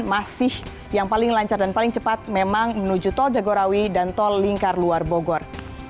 masih yang paling lancar dan paling cepat memang menuju tol jagorawi dan tol lingkar luar bogor